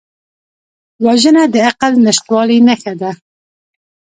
وژنه د عقل نشتوالي نښه ده